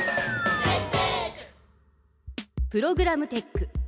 プログラムテック。